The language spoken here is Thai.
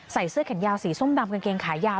ใส่เสื้อแขนยาวสีส้มดำกางเกงขายาว